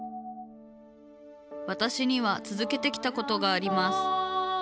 わたしにはつづけてきたことがあります。